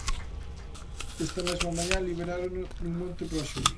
Esta mesma mañá liberárono nun monte próximo.